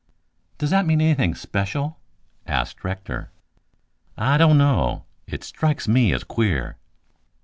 "Does that mean anything special?" asked Rector. "I don't know. It strikes me as queer."